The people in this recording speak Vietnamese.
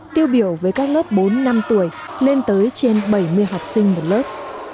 tiêu biểu với các lớp bốn năm tuổi lên tới trên bảy mươi học sinh một lớp